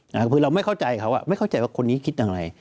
คือเราไม่เข้าใจเขาไม่เข้าใจว่าคนนี้คิดอย่างไร